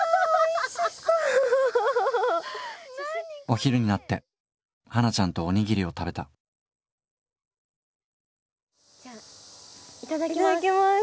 お昼になって花ちゃんとおにぎりを食べたいただきます。